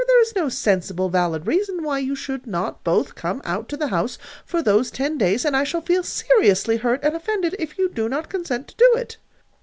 There is no sensible, valid reason why you should not both come out to the house for those ten days; and I shall feel seriously hurt and offended if you do not consent to do it."